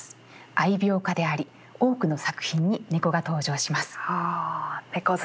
愛猫家であり多くの作品に猫が登場します。